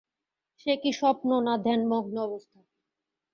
সে কি স্বপ্ন না ধ্যানমগ্ন অবস্থা!